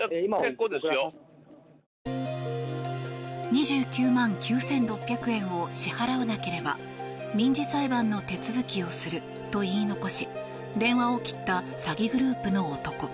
２９万９６００円を支払わなければ民事裁判の手続きをすると言い残し電話を切った詐欺グループの男。